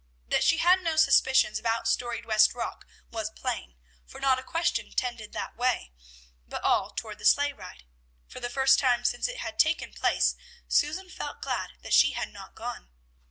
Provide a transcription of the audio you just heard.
That she had no suspicions about "Storied West Rock" was plain, for not a question tended that way, but all toward the sleigh ride; for the first time since it had taken place Susan felt glad that she had not gone.